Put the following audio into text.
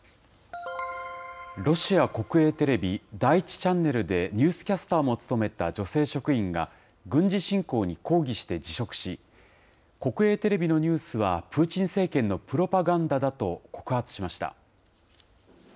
ロシア国営テレビ、第１チャンネルでニュースキャスターも務めた女性職員が、軍事侵攻に抗議して辞職し、国営テレビのニュースは、プーチン政権のプロパガンダだと告発しました。